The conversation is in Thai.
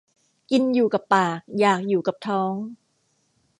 กินอยู่กับปาก อยากอยู่กับท้อง